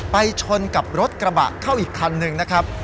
ไปชนกับรถกระบะเข้าอีกคันหนึ่งนะครับ